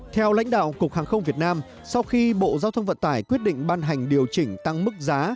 theo lãnh đạo cục hàng không việt nam sau khi bộ giao thông vận tải quyết định ban hành điều chỉnh tăng mức giá